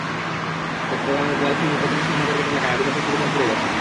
চট্টগ্রামের বোয়ালখালীর পেতন শাহ মাজার গেট এলাকায় আগুনে তিনটি দোকান পুড়ে গেছে।